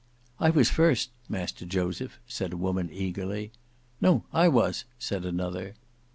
"I was first, Master Joseph," said a woman eagerly. "No; I was," said another.